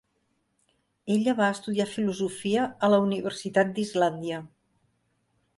Ella va estudiar filosofia a la Universitat d'Islàndia.